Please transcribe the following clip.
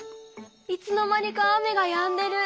いつの間にか雨がやんでる！